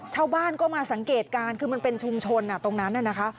ชาวบ้านก็มาสังเกตการณ์คือมันเป็นชุมชนตรงนั้นน่ะนะคะ